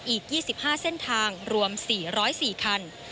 อีก๒๕เส้นทางรวม๔๐๔คัน